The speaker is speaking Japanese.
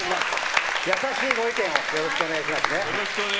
優しいご意見をよろしくお願いいたします。